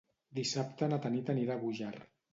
Dissabte na Tanit anirà a Búger.